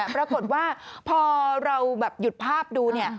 ปรากฏว่าพอเราแบบหยุดภาพดูเนี่ย